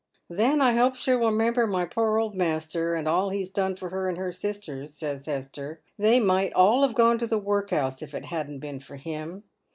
" Then I hope she'll remember my poor old master, and all he's done for her and her sisters," says Hester. " They might all have gone to the workhouse if it hadn't been for him.